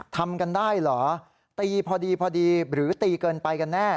ทำกันได้เหรอตีพอดีพอดีหรือตีเกินไปกันแน่